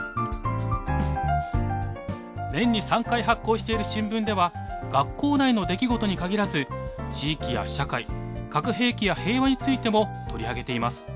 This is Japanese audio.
年に３回発行している新聞では学校内の出来事に限らず地域や社会核兵器や平和についても取り上げています。